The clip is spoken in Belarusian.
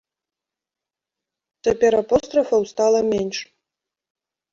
Цяпер апострафаў стала менш.